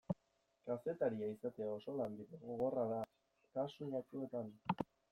Kazetaria izatea oso lanbide gogorra da kasu batzuetan.